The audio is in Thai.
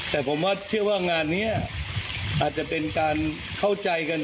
แต่ผมว่าเชื่อว่างานนี้อาจจะเป็นการเข้าใจกัน